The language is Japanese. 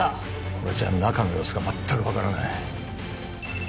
これじゃ中の様子が全く分からない